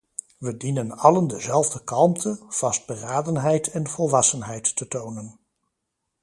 We dienen allen dezelfde kalmte, vastberadenheid en volwassenheid te tonen.